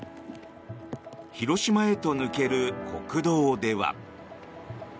広島へと抜ける国道では。